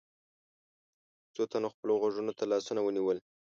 څو تنو خپلو غوږونو ته لاسونه ونيول.